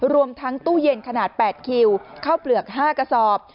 รวมทั้งตู้เย็นขนาด๘คิวข้าวเปลือก๕กระสอบ